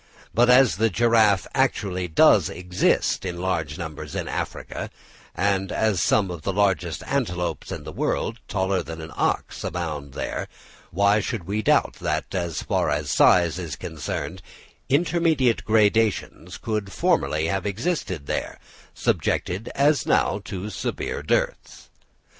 But as the giraffe does actually exist in large numbers in Africa, and as some of the largest antelopes in the world, taller than an ox, abound there, why should we doubt that, as far as size is concerned, intermediate gradations could formerly have existed there, subjected as now to severe dearths.